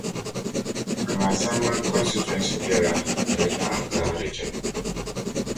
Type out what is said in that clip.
Amasaman Constituency be la Greater Accra Region.